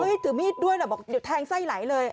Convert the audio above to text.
เฮ้ยถือมีดด้วยเดี๋ยวแทงไส้ไหลเลย